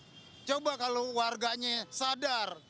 ayo coba kalau warganya sadar